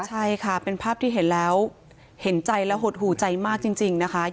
ใช่ค่ะเป็นภาพที่เห็นแล้วเห็นใจและหดหูใจมากจริงนะคะ